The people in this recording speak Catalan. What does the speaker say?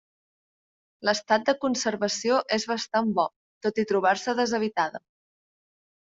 L'estat de conservació és bastant bo, tot i trobar-se deshabitada.